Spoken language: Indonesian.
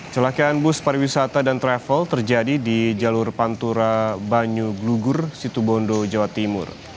celakaan bus pariwisata dan travel terjadi di jalur pantura banyuglugur situbondo jawa timur